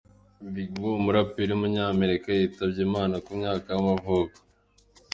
Big Moe, umuraperi w’umunyamerika yitabye Imana ku myaka y’amavuko.